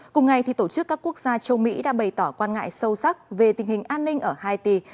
cùng ngày tổ chức các quốc gia châu mỹ đã bày tỏ quan ngại sâu sắc về tình hình an ninh ở haiti